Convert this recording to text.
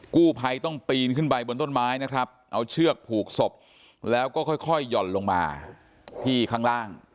กู้ภัยต้องปีนขึ้นไปบนต้นไม้นะครับเอาเชือกผูกศพแล้วก็ค่อยหย่อนลงมาที่ข้างล่าง